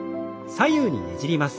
左右にねじります。